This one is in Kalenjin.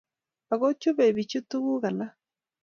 Ago chubei bichu tuguk alak